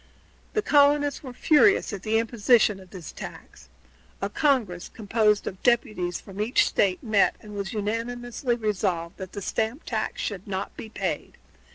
The colonists were furious at the imposition of this tax. A Congress, composed of deputies from each State, met, and it was unanimously resolved that the stamp tax should not be paid.